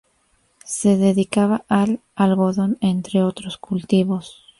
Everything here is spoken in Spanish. Se dedicaba al algodón entre otros cultivos.